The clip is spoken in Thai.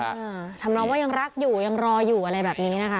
ทำน้องว่ายังรักอยู่ยังรออยู่อะไรแบบนี้นะคะ